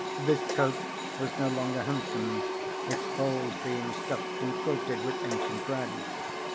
This coat was no longer handsome, its holes being stuffed and quilted with ancient rags.